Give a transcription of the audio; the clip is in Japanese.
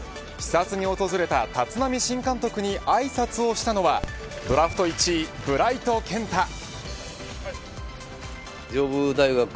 視察に訪れた立浪新監督にあいさつをしたのはドラフト１位、ブライト健太。